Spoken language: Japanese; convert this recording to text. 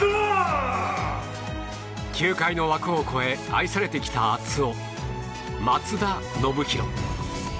球界の枠を超え愛されてきた熱男・松田宣浩。